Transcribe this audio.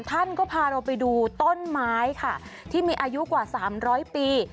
ท่านก็พาเราไปดูต้นไม้ค่ะที่มีอายุกว่า๓๐๐ปี